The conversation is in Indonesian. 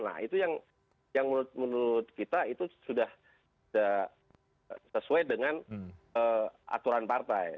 nah itu yang menurut kita itu sudah sesuai dengan aturan partai